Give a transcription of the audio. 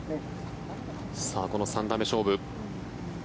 この３打目勝負。